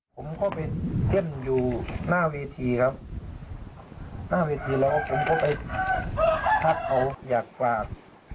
ผมก็ไปเต้นอยู่หน้าเวทีครับหน้าเวทีแล้วผมก็ไปทักเขาอยากฝาก